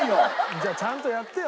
じゃあちゃんとやってよ？